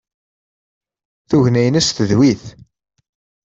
Tugna-ines tedwi-t.